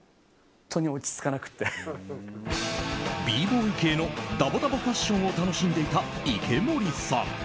Ｂボーイ系のダボダボファッションを楽しんでいた池森さん。